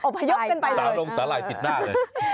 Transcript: อบพยพกันไปเลยตาลงสาหร่ายติดหน้าเลยไปไป